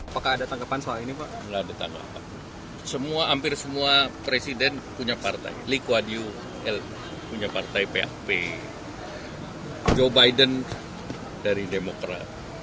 presiden punya partai lekwanyu punya partai pap joe biden dari demokrat